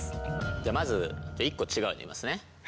じゃまず一個違うの言いますね。